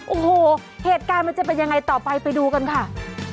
โอ้โหเหตุการณ์มันจะเป็นยังไงต่อไปไปดูกันค่ะ